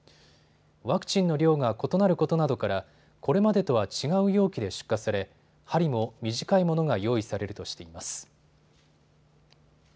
ワクチンの量が異なることなどからこれまでとは違う容器で出荷され針も短いものが用意されるとしています。